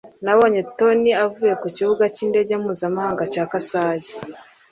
Nabonye Tony avuye ku kibuga cy'indege mpuzamahanga cya Kansai